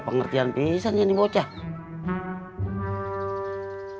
pada saat itu kami lagi berbicara